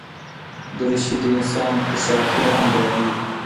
دریشي د انسان هوښیارتیا هم بیانوي.